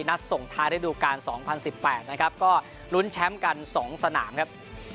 นัดส่งท้ายได้ดูการ๒๐๑๘ก็ลุ้นแชมป์กัน๒สนามครับ